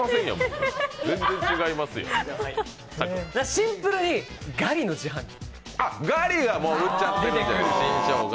シンプルにガリの自販機。